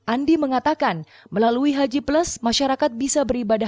andi mengatakan melalui haji plus masyarakat bisa beribadah